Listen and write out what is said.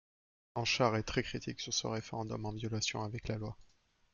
Hanchar est très critique sur ce référendum en violation avec la loi.